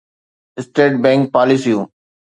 state bank پاليسيون